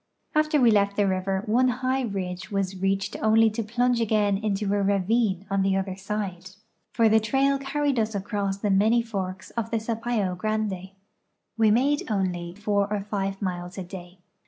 After we left the river one high ridge was reached onl}" to plunge again into a ravine on the other side, for the trail carried us across the many forks of the Sapa}^ Grande. We made only four or five miles a day.